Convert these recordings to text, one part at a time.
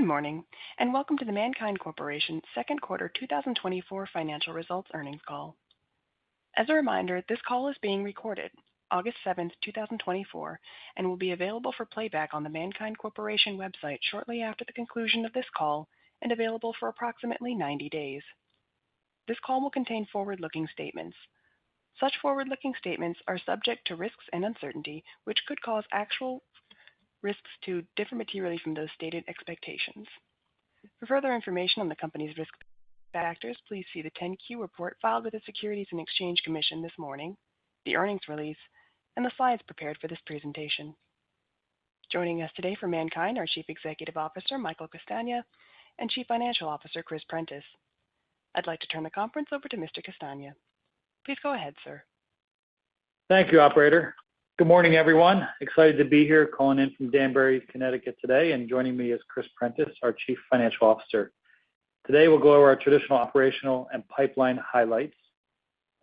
Good morning, and welcome to the MannKind Corporation's Second Quarter 2024 Financial Results Earnings Call. As a reminder, this call is being recorded August 7th, 2024, and will be available for playback on the MannKind Corporation website shortly after the conclusion of this call and available for approximately 90 days. This call will contain forward-looking statements. Such forward-looking statements are subject to risks and uncertainty, which could cause actual risks to differ materially from those stated expectations. For further information on the company's risk factors, please see the 10-Q report filed with the Securities and Exchange Commission this morning, the earnings release, and the slides prepared for this presentation. Joining us today for MannKind, our Chief Executive Officer, Michael Castagna, and Chief Financial Officer, Chris Prentiss. I'd like to turn the conference over to Mr. Castagna. Please go ahead, sir. Thank you, operator. Good morning, everyone. Excited to be here, calling in from Danbury, Connecticut, today, and joining me is Chris Prentiss, our Chief Financial Officer. Today, we'll go over our traditional operational and pipeline highlights.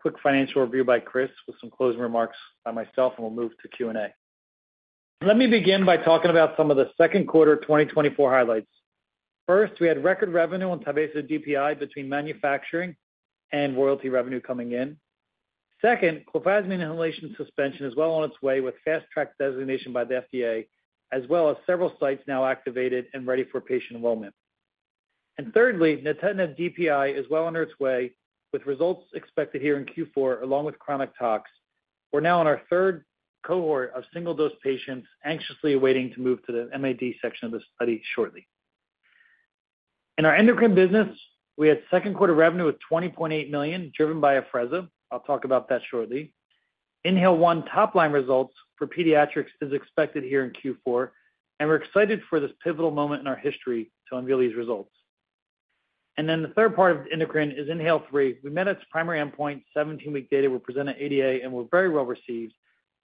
Quick financial review by Chris, with some closing remarks by myself, and we'll move to Q&A. Let me begin by talking about some of the second quarter 2024 highlights. First, we had record revenue on Tyvaso DPI between manufacturing and royalty revenue coming in. Second, clofazimine inhalation suspension is well on its way with fast-track designation by the FDA, as well as several sites now activated and ready for patient enrollment. And thirdly, Nintedanib DPI is well on its way, with results expected here in Q4, along with chronic tox. We're now on our third cohort of single-dose patients anxiously awaiting to move to the MAD section of the study shortly. In our endocrine business, we had second quarter revenue of $20.8 million, driven by Afrezza. I'll talk about that shortly. INHALE-1 top-line results for pediatrics is expected here in Q4, and we're excited for this pivotal moment in our history to unveil these results. And then the third part of the endocrine is INHALE-3. We met its primary endpoint, 17-week data were presented at ADA and were very well received.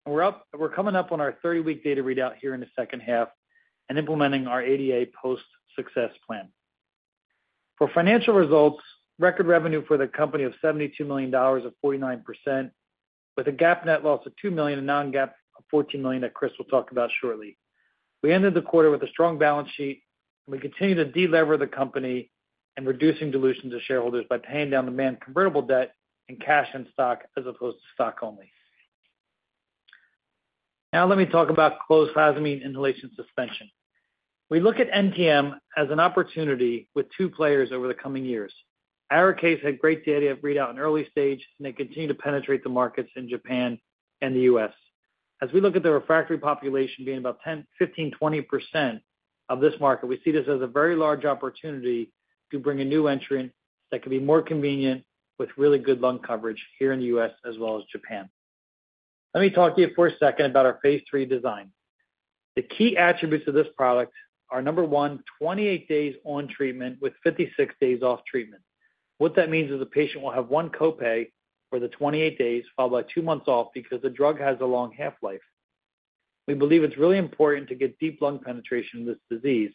And we're coming up on our 30-week data readout here in the second half and implementing our ADA post-success plan. For financial results, record revenue for the company of $72 million of 49%, with a GAAP net loss of $2 million and non-GAAP of $14 million that Chris will talk about shortly. We ended the quarter with a strong balance sheet, and we continue to delever the company and reducing dilution to shareholders by paying down the Mann convertible debt and cash and stock as opposed to stock only. Now let me talk about clofazimine inhalation suspension. We look at NTM as an opportunity with two players over the coming years. Arikayce had great data readout in early stage, and they continue to penetrate the markets in Japan and the U.S. As we look at the refractory population being about 10, 15, 20% of this market, we see this as a very large opportunity to bring a new entrant that can be more convenient with really good lung coverage here in the U.S. as well as Japan. Let me talk to you for a second about our Phase III design. The key attributes of this product are, number one, 28 days on treatment with 56 days off treatment. What that means is the patient will have one copay for the 28 days, followed by two months off because the drug has a long half-life. We believe it's really important to get deep lung penetration in this disease,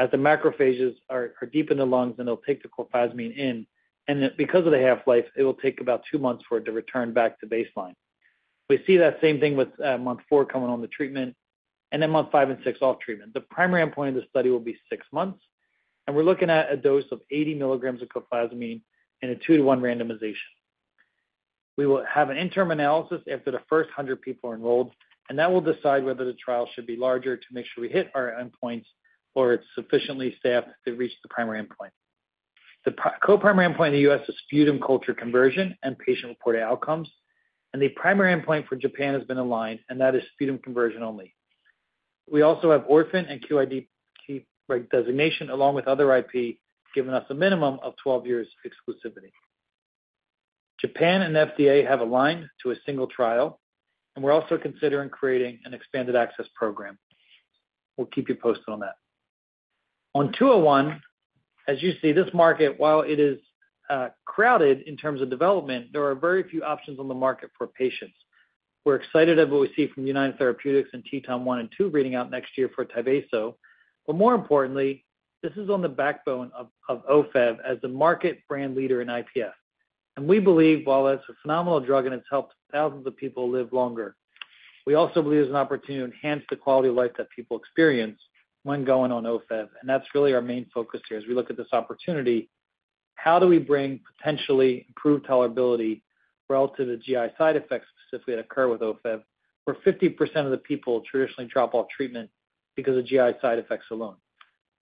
as the macrophages are deep in the lungs, and they'll take the clofazimine in, and then because of the half-life, it will take about two months for it to return back to baseline. We see that same thing with month four coming on the treatment and then month five and six off treatment. The primary endpoint of the study will be six months, and we're looking at a dose of 80 milligrams of clofazimine in a 2-to-1 randomization. We will have an interim analysis after the first 100 people are enrolled, and that will decide whether the trial should be larger to make sure we hit our endpoints or it's sufficiently staffed to reach the primary endpoint. The co-primary endpoint in the U.S. is sputum culture conversion and patient-reported outcomes, and the primary endpoint for Japan has been aligned, and that is sputum conversion only. We also have orphan and QIDP designation, along with other IP, giving us a minimum of 12 years exclusivity. Japan and FDA have aligned to a single trial, and we're also considering creating an expanded access program. We'll keep you posted on that. On 201, as you see, this market, while it is crowded in terms of development, there are very few options on the market for patients. We're excited at what we see from United Therapeutics and TETON one and two reading out next year for Tyvaso, but more importantly, this is on the backbone of, of Ofev as the market brand leader in IPF. And we believe, while it's a phenomenal drug and it's helped thousands of people live longer, we also believe there's an opportunity to enhance the quality of life that people experience when going on Ofev, and that's really our main focus here. As we look at this opportunity, how do we bring potentially improved tolerability relative to the GI side effects, specifically that occur with Ofev, where 50% of the people traditionally drop off treatment because of GI side effects alone?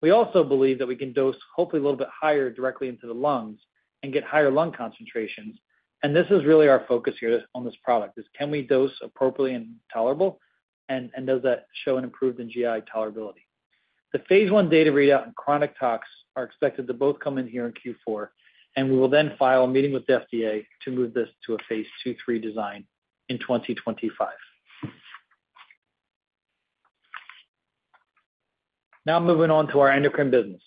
We also believe that we can dose hopefully a little bit higher directly into the lungs and get higher lung concentrations. This is really our focus here on this product, is can we dose appropriately and tolerable, and, and does that show an improvement in GI tolerability? The phase I data readout and chronic talks are expected to both come in here in Q4, and we will then file a meeting with the FDA to move this to a phase II-III design in 2025. Now, moving on to our endocrine business.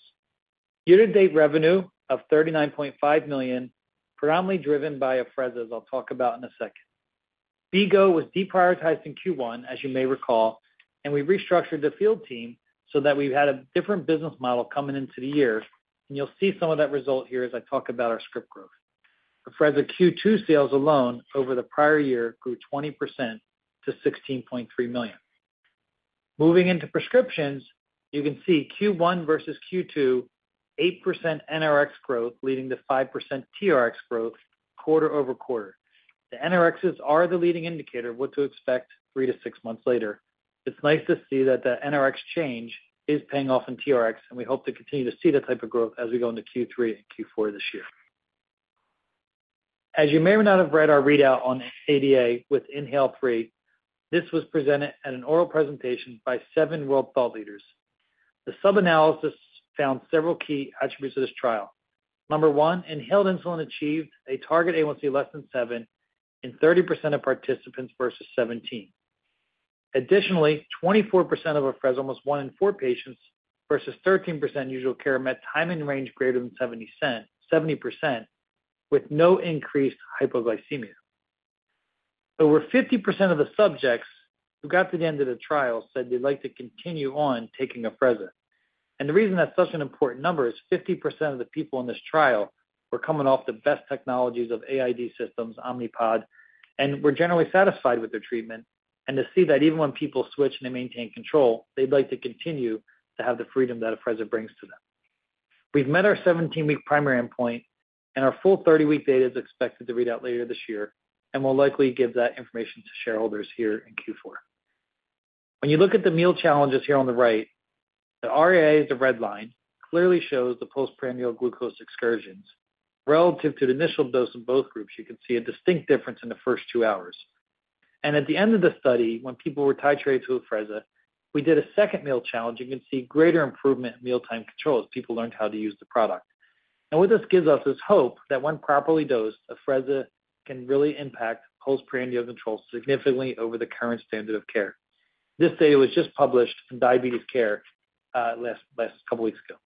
Year-to-date revenue of $39.5 million, predominantly driven by Afrezza, as I'll talk about in a second. V-Go was deprioritized in Q1, as you may recall, and we restructured the field team so that we've had a different business model coming into the year, and you'll see some of that result here as I talk about our script growth. Afrezza Q2 sales alone over the prior year grew 20% to $16.3 million. Moving into prescriptions, you can see Q1 versus Q2, 8% NRX growth, leading to 5% TRX growth quarter-over-quarter. The NRXs are the leading indicator of what to expect three to six months later. It's nice to see that the NRX change is paying off in TRX, and we hope to continue to see that type of growth as we go into Q3 and Q4 this year. As you may or not have read our readout on ADA with INHALE-3, this was presented at an oral presentation by seven world thought leaders. The sub-analysis found several key attributes of this trial. Number one, inhaled insulin achieved a target A1C less than seven in 30% of participants versus 17%. Additionally, 24% of Afrezza was one in four patients, versus 13% usual care met time in range greater than 70%, with no increased hypoglycemia. Over 50% of the subjects who got to the end of the trial said they'd like to continue on taking Afrezza. And the reason that's such an important number is 50% of the people in this trial were coming off the best technologies of AID systems, Omnipod, and were generally satisfied with their treatment. And to see that even when people switch and they maintain control, they'd like to continue to have the freedom that Afrezza brings to them. We've met our 17-week primary endpoint, and our full 30-week data is expected to read out later this year, and we'll likely give that information to shareholders here in Q4. When you look at the meal challenges here on the right, the RAA is the red line, clearly shows the postprandial glucose excursions. Relative to the initial dose in both groups, you can see a distinct difference in the first two hours. At the end of the study, when people were titrated to Afrezza, we did a second meal challenge. You can see greater improvement in mealtime controls. People learned how to use the product. What this gives us is hope that when properly dosed, Afrezza can really impact postprandial control significantly over the current standard of care. This data was just published in Diabetes Care last couple weeks ago.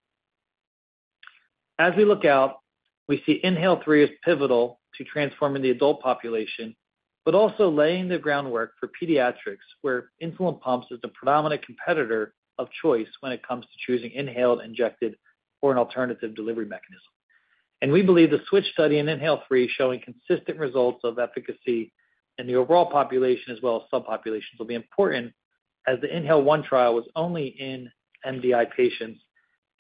As we look out, we see INHALE-3 as pivotal to transforming the adult population, but also laying the groundwork for pediatrics, where insulin pumps is the predominant competitor of choice when it comes to choosing inhaled, injected or an alternative delivery mechanism. We believe the switch study in INHALE-3, showing consistent results of efficacy in the overall population as well as subpopulations, will be important, as the INHALE-1 trial was only in MDI patients,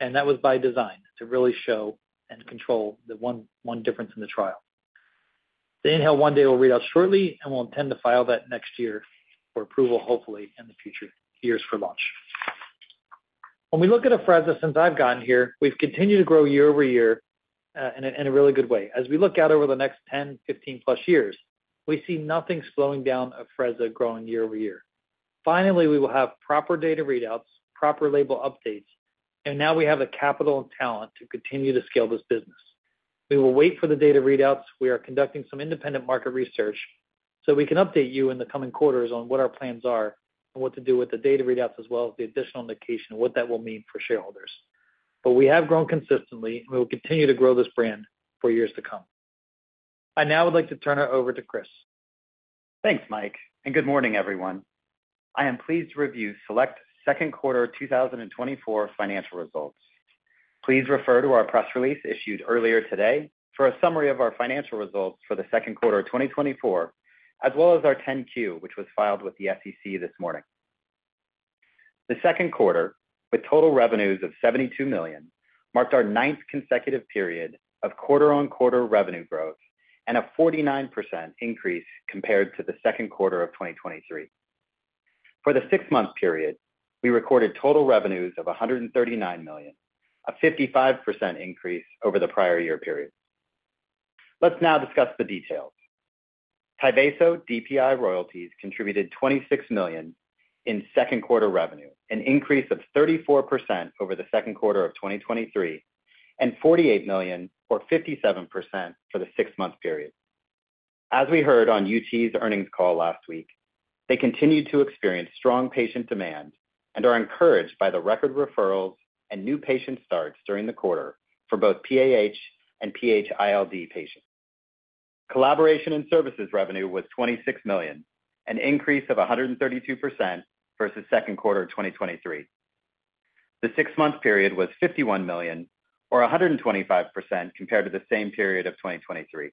and that was by design, to really show and control the 1:1 difference in the trial. The INHALE-1 data will read out shortly, and we'll intend to file that next year for approval, hopefully in the future years for launch. When we look at Afrezza, since I've gotten here, we've continued to grow year-over-year in a really good way. As we look out over the next 10, 15+ years, we see nothing slowing down Afrezza growing year-over-year. Finally, we will have proper data readouts, proper label updates, and now we have the capital and talent to continue to scale this business. We will wait for the data readouts. We are conducting some independent market research, so we can update you in the coming quarters on what our plans are and what to do with the data readouts, as well as the additional indication and what that will mean for shareholders. But we have grown consistently, and we will continue to grow this brand for years to come. I now would like to turn it over to Chris. Thanks, Mike, and good morning, everyone. I am pleased to review select second quarter 2024 financial results. Please refer to our press release issued earlier today for a summary of our financial results for the second quarter of 2024, as well as our 10-Q, which was filed with the SEC this morning. The second quarter, with total revenues of $72 million, marked our ninth consecutive period of quarter-on-quarter revenue growth and a 49% increase compared to the second quarter of 2023. For the six-month period, we recorded total revenues of $139 million, a 55% increase over the prior year period. Let's now discuss the details. Tyvaso DPI royalties contributed $26 million in second quarter revenue, an increase of 34% over the second quarter of 2023, and $48 million, or 57% for the six-month period. As we heard on UT's earnings call last week, they continued to experience strong patient demand and are encouraged by the record referrals and new patient starts during the quarter for both PAH and PH-ILD patients. Collaboration and services revenue was $26 million, an increase of 132% versus second quarter of 2023. The six-month period was $51 million or 125% compared to the same period of 2023.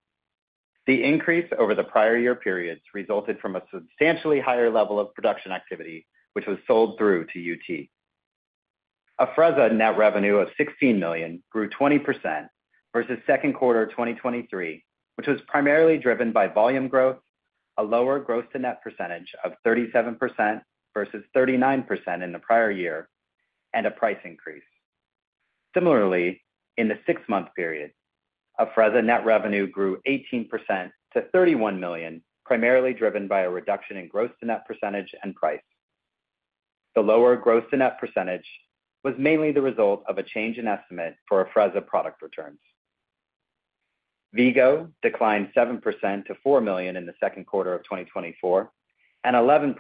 The increase over the prior year periods resulted from a substantially higher level of production activity, which was sold through to UT. Afrezza net revenue of $16 million grew 20% versus second quarter of 2023, which was primarily driven by volume growth, a lower gross to net percentage of 37% versus 39% in the prior year, and a price increase. Similarly, in the six-month period, Afrezza net revenue grew 18% to $31 million, primarily driven by a reduction in gross to net percentage and price. The lower gross to net percentage was mainly the result of a change in estimate for Afrezza product returns. V-Go declined 7% to $4 million in the second quarter of 2024, and 11%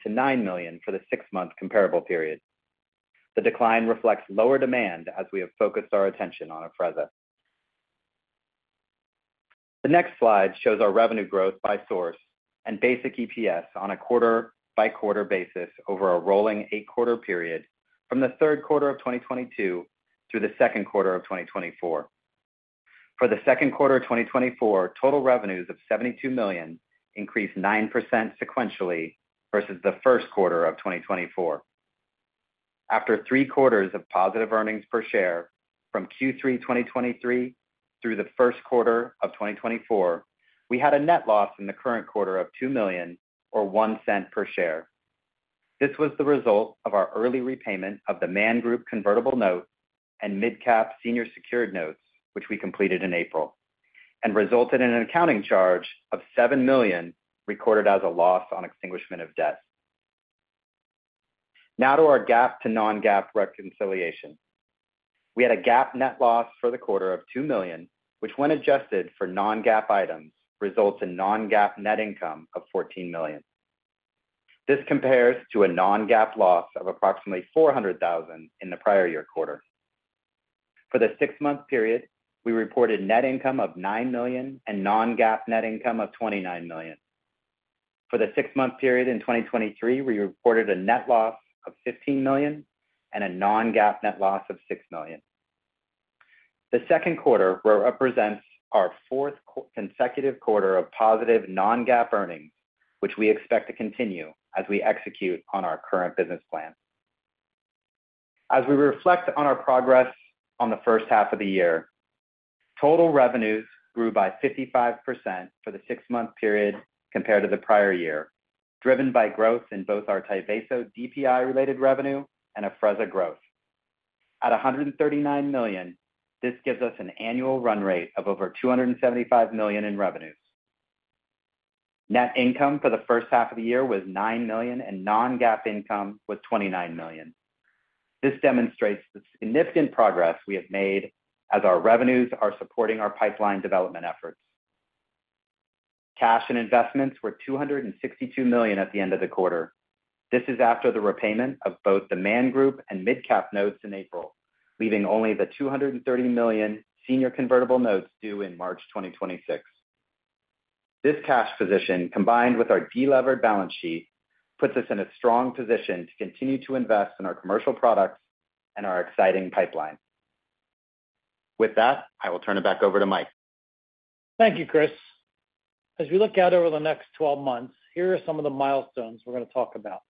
to $9 million for the six-month comparable period. The decline reflects lower demand as we have focused our attention on Afrezza. The next slide shows our revenue growth by source and basic EPS on a quarter-by-quarter basis over a rolling eight-quarter period from the third quarter of 2022 through the second quarter of 2024. For the second quarter of 2024, total revenues of $72 million increased 9% sequentially versus the first quarter of 2024. After three quarters of positive earnings per share from Q3 2023 through the first quarter of 2024, we had a net loss in the current quarter of $2 million or $0.01 per share. This was the result of our early repayment of The Mann Group convertible notes and MidCap senior secured notes, which we completed in April, and resulted in an accounting charge of $7 million, recorded as a loss on extinguishment of debt. Now to our GAAP to non-GAAP reconciliation. We had a GAAP net loss for the quarter of $2 million, which, when adjusted for non-GAAP items, results in non-GAAP net income of $14 million. This compares to a non-GAAP loss of approximately $400,000 in the prior year quarter. For the six-month period, we reported net income of $9 million and non-GAAP net income of $29 million. For the six-month period in 2023, we reported a net loss of $15 million and a non-GAAP net loss of $6 million. The second quarter represents our fourth consecutive quarter of positive non-GAAP earnings, which we expect to continue as we execute on our current business plan. As we reflect on our progress on the first half of the year, total revenues grew by 55% for the six-month period compared to the prior year, driven by growth in both our Tyvaso DPI-related revenue and Afrezza growth. At $139 million, this gives us an annual run rate of over $275 million in revenues. Net income for the first half of the year was $9 million, and non-GAAP income was $29 million. This demonstrates the significant progress we have made as our revenues are supporting our pipeline development efforts. Cash and investments were $262 million at the end of the quarter. This is after the repayment of both the Mann Group and mid-cap notes in April, leaving only the $230 million senior convertible notes due in March 2026. This cash position, combined with our delevered balance sheet, puts us in a strong position to continue to invest in our commercial products and our exciting pipeline. With that, I will turn it back over to Mike. Thank you, Chris. As we look out over the next 12 months, here are some of the milestones we're going to talk about.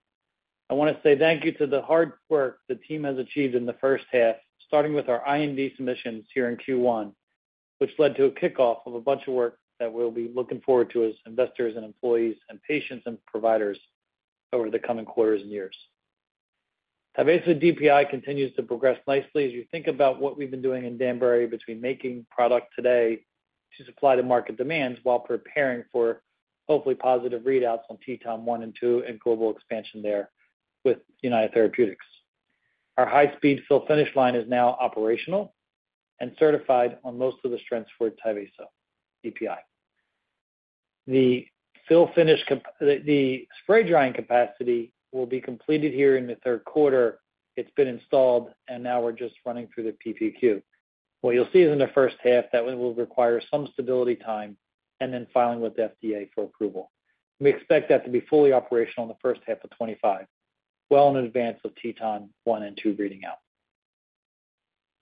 I want to say thank you to the hard work the team has achieved in the first half, starting with our IND submissions here in Q1, which led to a kickoff of a bunch of work that we'll be looking forward to as investors and employees and patients and providers over the coming quarters and years. Tyvaso DPI continues to progress nicely. As you think about what we've been doing in Danbury between making product today to supply the market demands while preparing for hopefully positive readouts on TETON one and two and global expansion there with United Therapeutics. Our high-speed fill finish line is now operational and certified on most of the strengths for Tyvaso DPI. The spray drying capacity will be completed here in the third quarter. It's been installed, and now we're just running through the PPQ. What you'll see is in the first half, that one will require some stability time and then filing with the FDA for approval. We expect that to be fully operational in the first half of 2025, well in advance of TETON one and two reading out.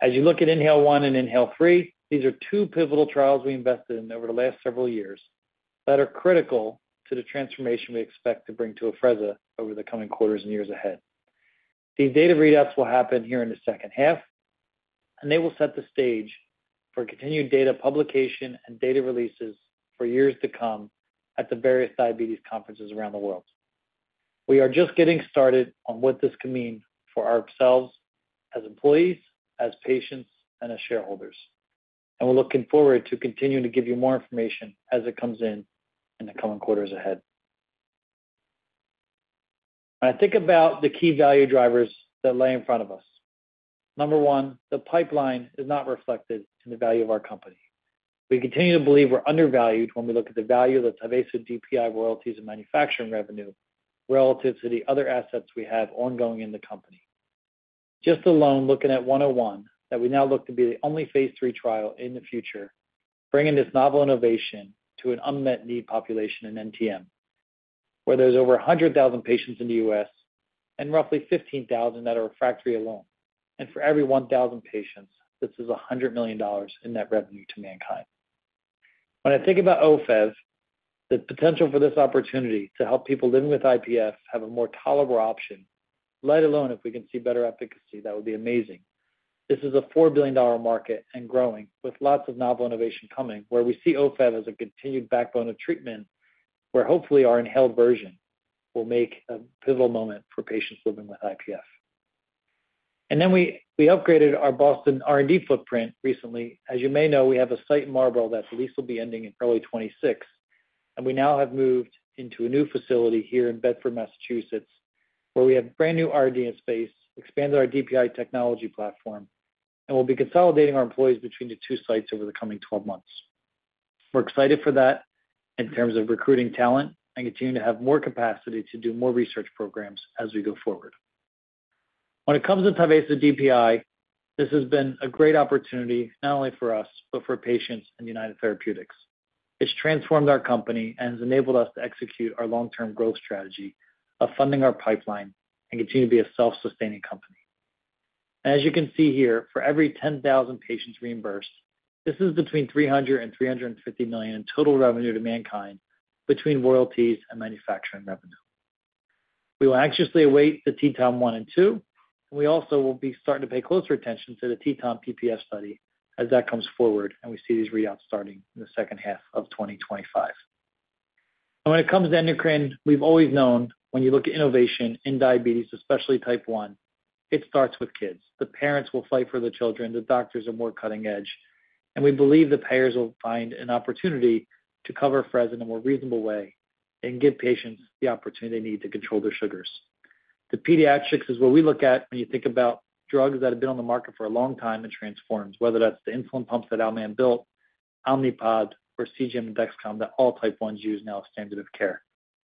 As you look at INHALE-1 and INHALE-3, these are two pivotal trials we invested in over the last several years that are critical to the transformation we expect to bring to Afrezza over the coming quarters and years ahead. These data readouts will happen here in the second half, and they will set the stage for continued data publication and data releases for years to come at the various diabetes conferences around the world. We are just getting started on what this could mean for ourselves as employees, as patients, and as shareholders, and we're looking forward to continuing to give you more information as it comes in, in the coming quarters ahead. When I think about the key value drivers that lay in front of us, number one, the pipeline is not reflected in the value of our company. We continue to believe we're undervalued when we look at the value of the Tyvaso DPI royalties and manufacturing revenue relative to the other assets we have ongoing in the company. Just alone, looking at 101, that we now look to be the only phase III trial in the future, bringing this novel innovation to an unmet need population in NTM, where there's over 100,000 patients in the U.S. and roughly 15,000 that are refractory alone. For every 1,000 patients, this is $100 million in net revenue to MannKind. When I think about Ofev, the potential for this opportunity to help people living with IPF have a more tolerable option, let alone if we can see better efficacy, that would be amazing. This is a $4 billion market and growing, with lots of novel innovation coming, where we see Ofev as a continued backbone of treatment, where hopefully our inhaled version will make a pivotal moment for patients living with IPF. And then we, we upgraded our Boston R&D footprint recently. As you may know, we have a site in Marlborough that the lease will be ending in early 2026, and we now have moved into a new facility here in Bedford, Massachusetts, where we have brand-new R&D and space, expanded our DPI technology platform, and we'll be consolidating our employees between the two sites over the coming 12 months. We're excited for that in terms of recruiting talent and continuing to have more capacity to do more research programs as we go forward. When it comes to Tyvaso DPI, this has been a great opportunity not only for us, but for patients in United Therapeutics. It's transformed our company and has enabled us to execute our long-term growth strategy of funding our pipeline and continue to be a self-sustaining company. As you can see here, for every 10,000 patients reimbursed, this is between $300 million and $350 million in total revenue to MannKind between royalties and manufacturing revenue. We will anxiously await the TETON one and two, and we also will be starting to pay closer attention to the TETON PPF study as that comes forward, and we see these readouts starting in the second half of 2025. When it comes to endocrine, we've always known when you look at innovation in diabetes, especially type 1, it starts with kids. The parents will fight for the children, the doctors are more cutting edge, and we believe the payers will find an opportunity to cover Afrezza in a more reasonable way and give patients the opportunity they need to control their sugars. The pediatrics is what we look at when you think about drugs that have been on the market for a long time and transforms, whether that's the insulin pumps that Al Mann built, Omnipod or CGM and Dexcom, that all type ones use now as standard of care.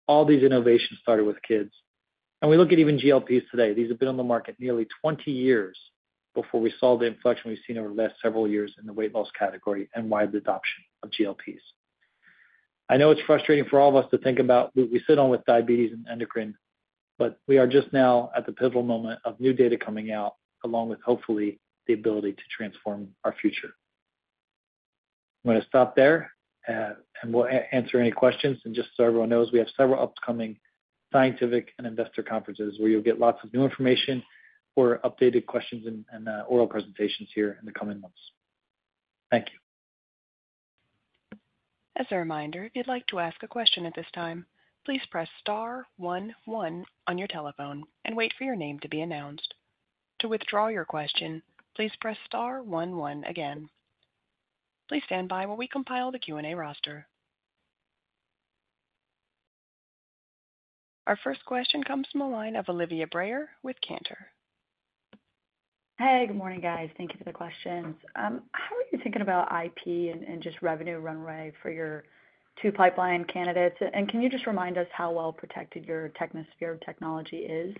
All these innovations started with kids. And we look at even GLPs today. These have been on the market nearly 20 years before we saw the inflection we've seen over the last several years in the weight loss category and wide adoption of GLPs. I know it's frustrating for all of us to think about what we sit on with diabetes and endocrine, but we are just now at the pivotal moment of new data coming out, along with, hopefully, the ability to transform our future. I'm gonna stop there, and we'll answer any questions. Just so everyone knows, we have several upcoming scientific and investor conferences where you'll get lots of new information or updated questions and oral presentations here in the coming months. Thank you. As a reminder, if you'd like to ask a question at this time, please press star one one on your telephone and wait for your name to be announced. To withdraw your question, please press star one one again. Please stand by while we compile the Q&A roster. Our first question comes from the line of Olivia Brayer with Cantor. Hey, good morning, guys. Thank you for the questions. How are you thinking about IP and just revenue runway for your two pipeline candidates? And can you just remind us how well protected your Technosphere technology is?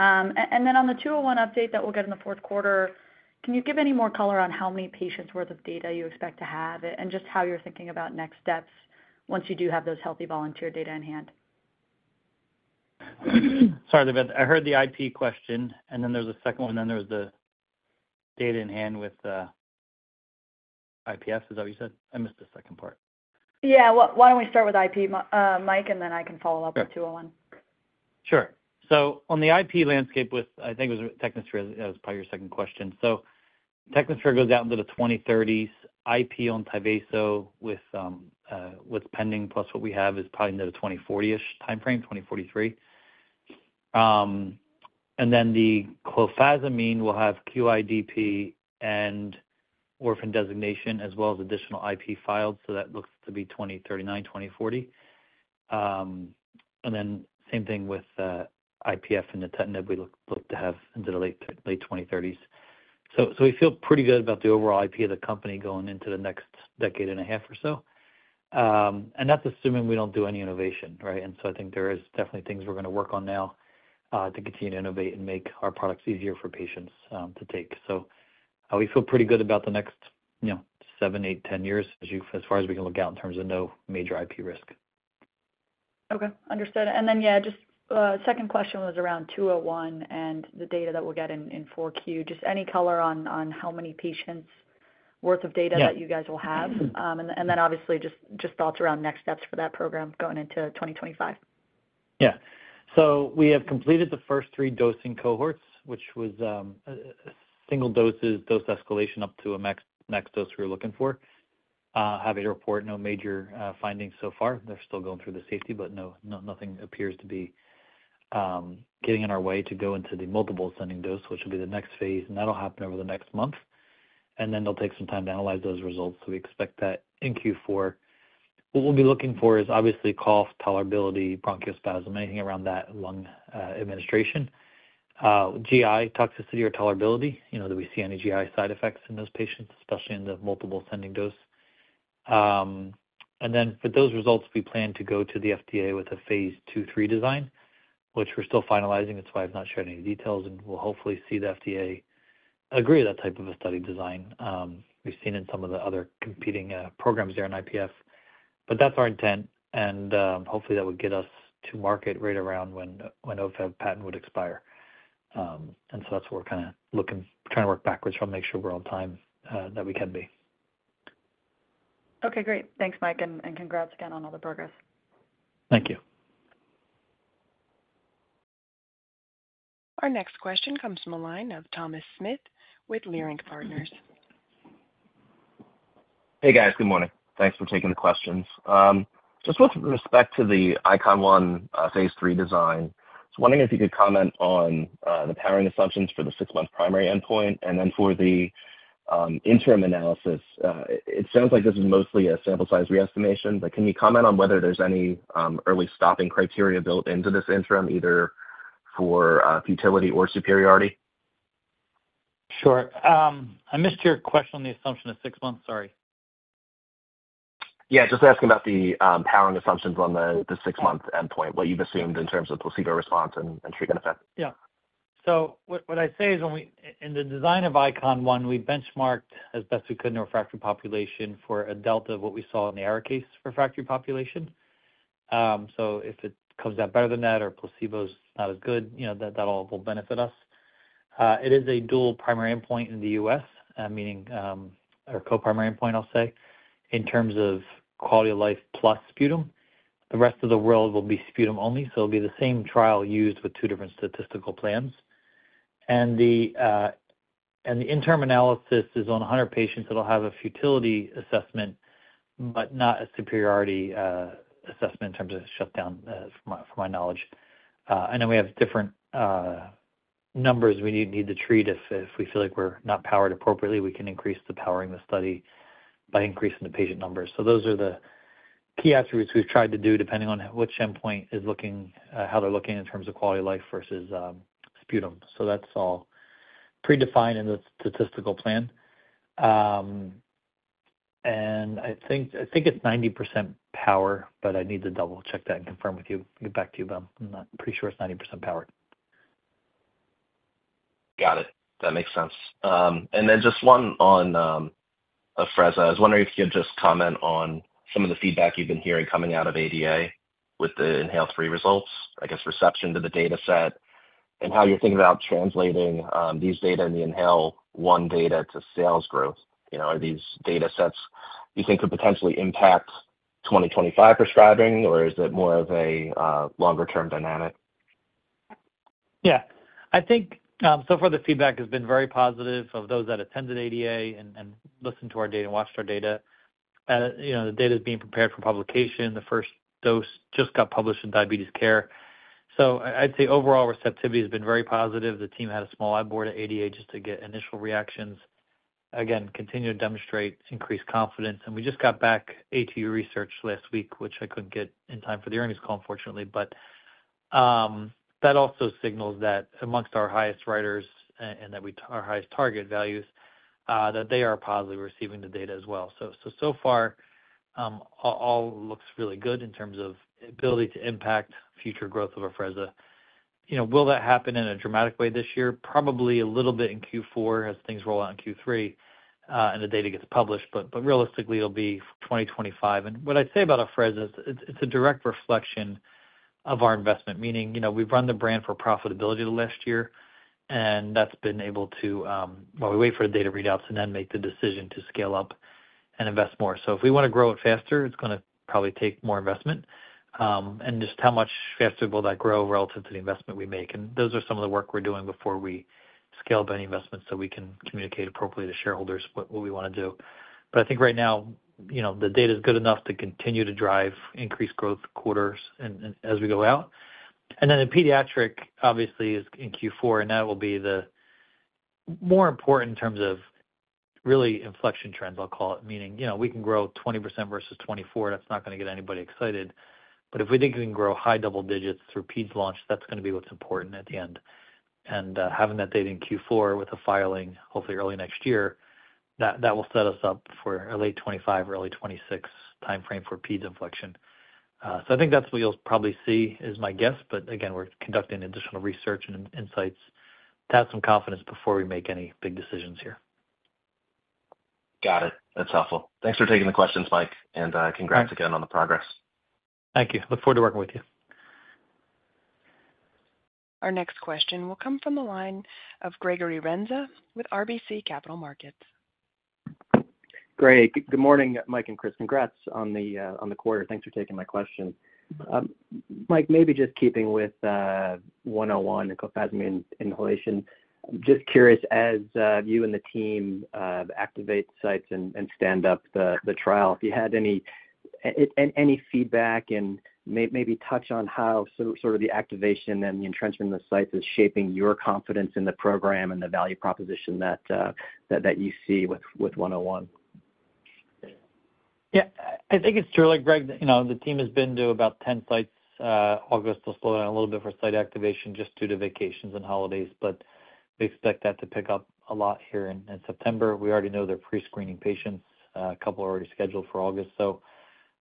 And then on the 201 update that we'll get in the fourth quarter, can you give any more color on how many patients worth of data you expect to have, and just how you're thinking about next steps once you do have those healthy volunteer data in hand? Sorry, Olivia. I heard the IP question, and then there's a second one, and then there's the data in hand with IPF. Is that what you said? I missed the second part. Yeah. Why don't we start with IP, Mike, and then I can follow up with two oh one. Sure. So on the IP landscape, with, I think it was Technosphere, that was probably your second question. So Technosphere goes out into the 2030s. IP on Tyvaso with pending plus what we have is probably into the 2040-ish timeframe, 2043. And then the clofazimine will have QIDP and orphan designation, as well as additional IP files, so that looks to be 2039, 2040. And then same thing with IPF and the nintedanib, we look to have into the late 2030s. So we feel pretty good about the overall IP of the company going into the next decade and a half or so. And that's assuming we don't do any innovation, right? And so I think there is definitely things we're gonna work on now, to continue to innovate and make our products easier for patients, to take. So, we feel pretty good about the next, you know, seven, eight, 10 years, as far as we can look out in terms of no major IP risk. Okay, understood. And then, yeah, just, second question was around 201 and the data that we'll get in 4Q. Just any color on how many patients' worth of data that you guys will have? And then obviously, just thoughts around next steps for that program going into 2025. Yeah. So we have completed the first three dosing cohorts, which was a single doses dose escalation up to a max dose we were looking for. Happy to report no major findings so far. They're still going through the safety, but no, no nothing appears to be getting in our way to go into the multiple ascending dose, which will be the next phase, and that'll happen over the next month. And then they'll take some time to analyze those results, so we expect that in Q4. What we'll be looking for is obviously cough tolerability, bronchospasm, anything around that lung administration, GI toxicity or tolerability, you know, do we see any GI side effects in those patients, especially in the multiple ascending dose. Then for those results, we plan to go to the FDA with a phase 2/3 design, which we're still finalizing. That's why I've not shared any details, and we'll hopefully see the FDA agree to that type of a study design we've seen in some of the other competing programs there in IPF. But that's our intent, and hopefully, that will get us to market right around when, when Ofev patent would expire. So that's what we're kind of looking, trying to work backwards from, make sure we're on time, that we can be. Okay, great. Thanks, Mike, and congrats again on all the progress. Thank you. Our next question comes from the line of Thomas Smith with Leerink Partners. Hey, guys. Good morning. Thanks for taking the questions. Just with respect to the ICoN-1, Phase III design, I was wondering if you could comment on the powering assumptions for the six-month primary endpoint, and then for the interim analysis. It sounds like this is mostly a sample size re-estimation, but can you comment on whether there's any early stopping criteria built into this interim, either for futility or superiority? Sure. I missed your question on the assumption of six months. Sorry. Yeah, just asking about the powering assumptions on the six-month endpoint, what you've assumed in terms of placebo response and treatment effect. Yeah. So what I'd say is when we—in the design of ICoN-1, we benchmarked as best we could in a refractory population for a delta of what we saw in the Arikayce case for refractory population. So if it comes out better than that, or placebo's not as good, you know, that all will benefit us. It is a dual primary endpoint in the U.S., meaning or co-primary endpoint, I'll say, in terms of quality of life plus sputum. The rest of the world will be sputum only, so it'll be the same trial used with two different statistical plans. And the interim analysis is on 100 patients that'll have a futility assessment, but not a superiority assessment in terms of shutdown, from my knowledge. I know we have different numbers we need to treat. If we feel like we're not powered appropriately, we can increase the power in the study by increasing the patient numbers. So those are the key attributes we've tried to do, depending on what endpoint is looking, how they're looking in terms of quality of life versus sputum. So that's all predefined in the statistical plan. And I think it's 90% power, but I need to double-check that and confirm with you, get back to you, but I'm pretty sure it's 90% powered. Got it. That makes sense. And then just one on Afrezza. I was wondering if you could just comment on some of the feedback you've been hearing coming out of ADA with the INHALE-3 results, I guess, reception to the data set, and how you're thinking about translating these data and the INHALE-1 data to sales growth. You know, are these data sets you think could potentially impact 2025 prescribing, or is it more of a longer-term dynamic? Yeah. I think, so far the feedback has been very positive of those that attended ADA and listened to our data and watched our data. You know, the data is being prepared for publication. The first dose just got published in Diabetes Care. So I'd say overall receptivity has been very positive. The team had a small ad board at ADA just to get initial reactions. Again, continue to demonstrate increased confidence. And we just got back ATU research last week, which I couldn't get in time for the earnings call, unfortunately. But that also signals that amongst our highest rated and that our highest target values, that they are positively receiving the data as well. So far, all looks really good in terms of ability to impact future growth of Afrezza. You know, will that happen in a dramatic way this year? Probably a little bit in Q4 as things roll out in Q3, and the data gets published, but realistically, it'll be 2025. And what I'd say about Afrezza, it's a direct reflection of our investment, meaning, you know, we've run the brand for profitability the last year, and that's been able to, while we wait for the data readouts and then make the decision to scale up and invest more. So if we want to grow it faster, it's gonna probably take more investment, and just how much faster will that grow relative to the investment we make. And those are some of the work we're doing before we scale any investments, so we can communicate appropriately to shareholders what we wanna do. I think right now, you know, the data is good enough to continue to drive increased growth quarters and as we go out. Then in pediatric, obviously, is in Q4, and that will be the more important in terms of really inflection trends, I'll call it. Meaning, you know, we can grow 20% versus 2024, that's not gonna get anybody excited. But if we think we can grow high double digits through Peds launch, that's gonna be what's important at the end. Having that data in Q4 with the filing, hopefully early next year, that will set us up for a late 2025 or early 2026 timeframe for Peds inflection. So I think that's what you'll probably see, is my guess, but again, we're conducting additional research and insights to have some confidence before we make any big decisions here. Got it. That's helpful. Thanks for taking the questions, Mike, and congrats again on the progress. Thank you. Look forward to working with you. Our next question will come from the line of Gregory Renza with RBC Capital Markets. Greg, good morning, Mike and Chris. Congrats on the quarter. Thanks for taking my question. Mike, maybe just keeping with 101 and clofazimine inhalation, just curious, as you and the team activate sites and stand up the trial, if you had any any feedback and maybe touch on how the activation and the entrenching the sites is shaping your confidence in the program and the value proposition that you see with 101. Yeah, I think it's true, like, Greg, you know, the team has been to about 10 sites. August will slow down a little bit for site activation just due to vacations and holidays, but we expect that to pick up a lot here in September. We already know they're prescreening patients. A couple are already scheduled for August. So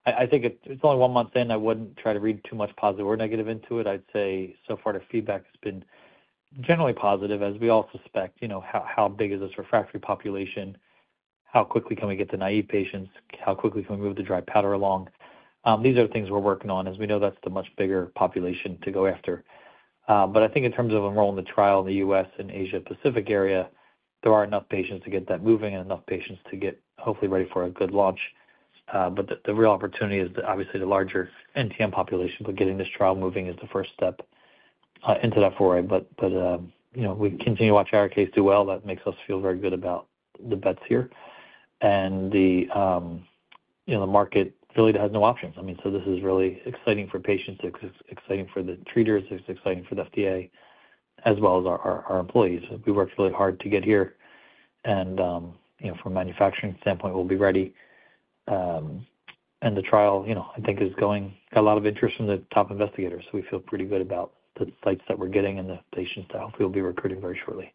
I think it's only one month in. I wouldn't try to read too much positive or negative into it. I'd say so far the feedback has been generally positive, as we all suspect. You know, how big is this refractory population? How quickly can we get to naive patients? How quickly can we move the dry powder along? These are things we're working on, as we know that's the much bigger population to go after. But I think in terms of enrolling the trial in the US and Asia Pacific area, there are enough patients to get that moving and enough patients to get, hopefully, ready for a good launch. But the, the real opportunity is obviously the larger NTM population, but getting this trial moving is the first step, into that foray. But, but, you know, we continue to watch Arikayce do well. That makes us feel very good about the bets here. And the, you know, the market really has no options. I mean, so this is really exciting for patients, it's exciting for the treaters, it's exciting for the FDA, as well as our, our, our employees. We worked really hard to get here. And, you know, from a manufacturing standpoint, we'll be ready. The trial, you know, I think, is going to get a lot of interest from the top investigators, so we feel pretty good about the sites that we're getting and the patients that we'll be recruiting very shortly.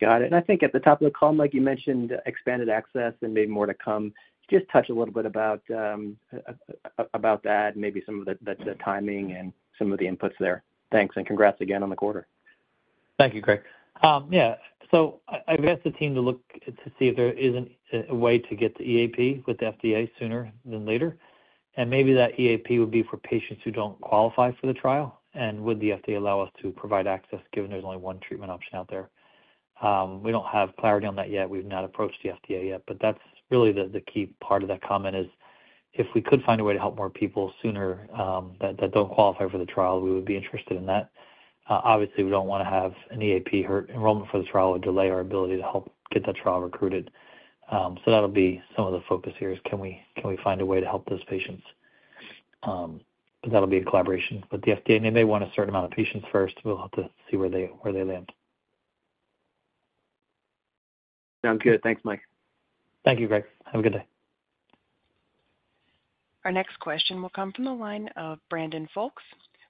Got it. And I think at the top of the call, Mike, you mentioned expanded access and maybe more to come. Just touch a little bit about that and maybe some of the timing and some of the inputs there. Thanks, and congrats again on the quarter. Thank you, Greg. Yeah, so I, I've asked the team to look to see if there isn't a way to get the EAP with the FDA sooner than later, and maybe that EAP would be for patients who don't qualify for the trial, and would the FDA allow us to provide access, given there's only one treatment option out there? We don't have clarity on that yet. We've not approached the FDA yet, but that's really the key part of that comment is, if we could find a way to help more people sooner, that don't qualify for the trial, we would be interested in that. Obviously, we don't wanna have an EAP or enrollment for the trial would delay our ability to help get that trial recruited. So that'll be some of the focus here, is can we find a way to help those patients? But that'll be a collaboration. But the FDA, they may want a certain amount of patients first. We'll have to see where they land. Sounds good. Thanks, Mike. Thank you, Greg. Have a good day. Our next question will come from the line of Brandon Folkes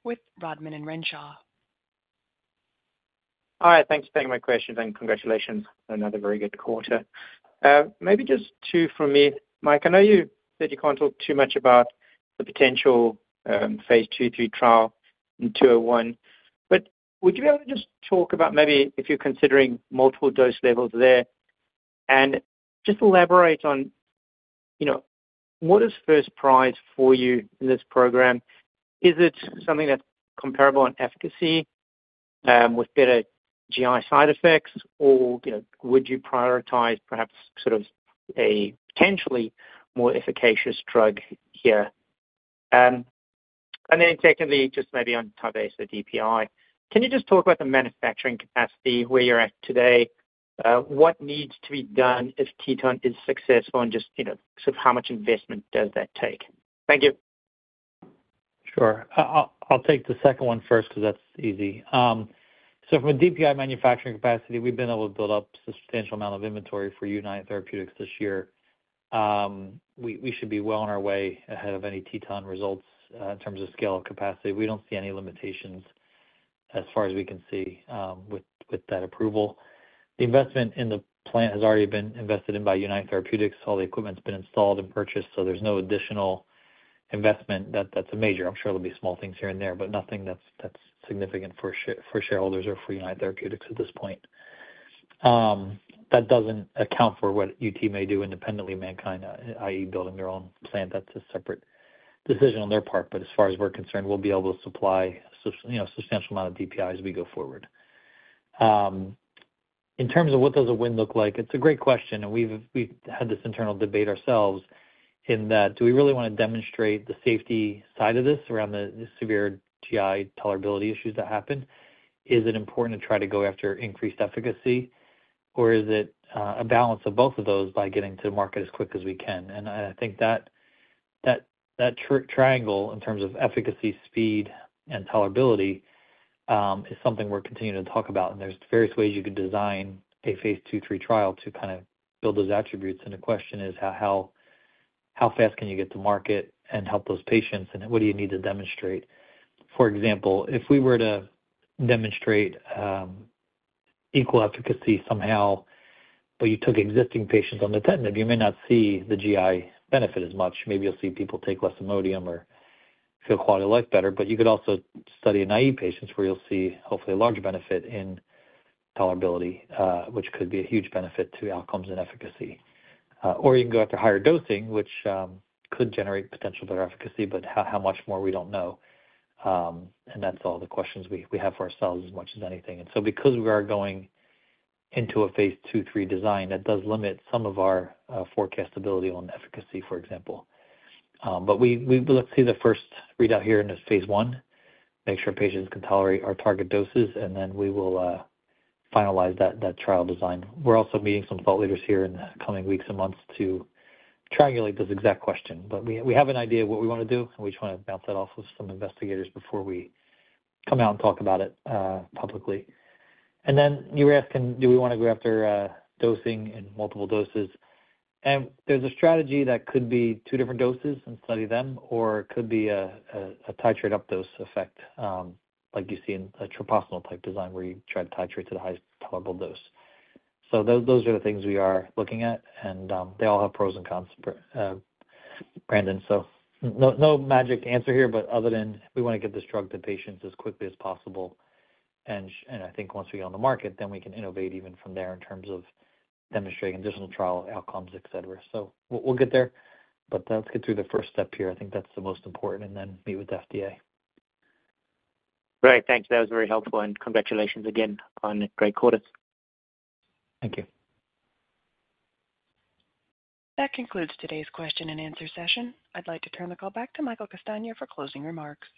with Rodman & Renshaw. Hi, thanks for taking my question, and congratulations on another very good quarter. Maybe just two from me. Mike, I know you said you can't talk too much about the potential, phase 2/3 trial in 201, but would you be able to just talk about maybe if you're considering multiple dose levels there? And just elaborate on, you know, what is first prize for you in this program? Is it something that's comparable in efficacy, with better GI side effects, or, you know, would you prioritize perhaps sort of a potentially more efficacious drug here? And then secondly, just maybe on Tyvaso DPI. Can you just talk about the manufacturing capacity, where you're at today? What needs to be done if Teton is successful, and just, you know, sort of how much investment does that take? Thank you. Sure. I'll take the second one first, because that's easy. So from a DPI manufacturing capacity, we've been able to build up substantial amount of inventory for United Therapeutics this year. We should be well on our way ahead of any Teton results, in terms of scale and capacity. We don't see any limitations as far as we can see, with that approval. The investment in the plant has already been invested in by United Therapeutics. All the equipment's been installed and purchased, so there's no additional investment that's major. I'm sure there'll be small things here and there, but nothing that's significant for shareholders or for United Therapeutics at this point. That doesn't account for what UT may do independently of MannKind, i.e., building their own plant. That's a separate decision on their part, but as far as we're concerned, we'll be able to supply you know, substantial amount of DPI as we go forward. In terms of what does a win look like, it's a great question, and we've had this internal debate ourselves, in that, do we really wanna demonstrate the safety side of this around the severe GI tolerability issues that happen? Is it important to try to go after increased efficacy, or is it a balance of both of those by getting to market as quick as we can? I think that triangle in terms of efficacy, speed, and tolerability is something we're continuing to talk about, and there's various ways you could design a phase II, III trial to kind of build those attributes. The question is: How, how, how fast can you get to market and help those patients, and what do you need to demonstrate? For example, if we were to demonstrate equal efficacy somehow, but you took existing patients on the 10, maybe you may not see the GI benefit as much. Maybe you'll see people take less Imodium or feel quality of life better, but you could also study naive patients, where you'll see, hopefully, a larger benefit in tolerability, which could be a huge benefit to outcomes and efficacy. Or you can go after higher dosing, which could generate potential better efficacy, but how, how much more? We don't know. And that's all the questions we have for ourselves as much as anything. And so because we are going into a phase II, III design, that does limit some of our, forecast ability on efficacy, for example. But we, we would like to see the first readout here in this phase I, make sure patients can tolerate our target doses, and then we will, finalize that, that trial design. We're also meeting some thought leaders here in the coming weeks and months to triangulate this exact question. But we, we have an idea of what we wanna do, and we just wanna bounce that off with some investigators before we come out and talk about it, publicly. And then you were asking, do we wanna go after, dosing and multiple doses? And there's a strategy that could be two different doses and study them, or could be a titrate up dose effect, like you see in a traditional type design, where you try to titrate to the highest tolerable dose. So those are the things we are looking at, and, they all have pros and cons, Brandon, so no, no magic answer here, but other than we wanna get this drug to patients as quickly as possible. And and I think once we on the market, then we can innovate even from there in terms of demonstrating additional trial outcomes, et cetera. So we'll, we'll get there, but let's get through the first step here. I think that's the most important, and then meet with the FDA. Great, thanks. That was very helpful, and congratulations again on a great quarter. Thank you. That concludes today's question and answer session. I'd like to turn the call back to Michael Castagna for closing remarks.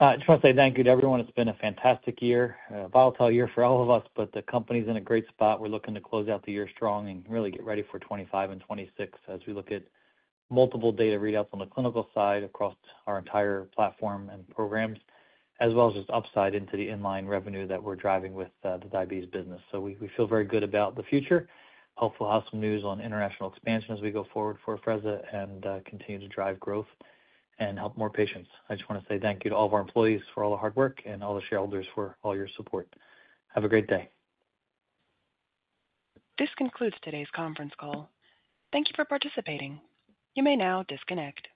I just wanna say thank you to everyone. It's been a fantastic year, a volatile year for all of us, but the company's in a great spot. We're looking to close out the year strong and really get ready for 2025 and 2026 as we look at multiple data readouts on the clinical side across our entire platform and programs, as well as upside into the inline revenue that we're driving with the diabetes business. So we, we feel very good about the future. Hopefully, we'll have some news on international expansion as we go forward for Afrezza and continue to drive growth and help more patients. I just wanna say thank you to all of our employees for all the hard work and all the shareholders for all your support. Have a great day. This concludes today's conference call. Thank you for participating. You may now disconnect.